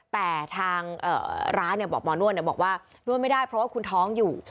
แต่ทางร้านบอกหมอนวดบอกว่านวดไม่ได้เพราะว่าคุณท้องอยู่